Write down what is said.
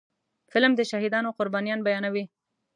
فلم د شهیدانو قربانيان بیانوي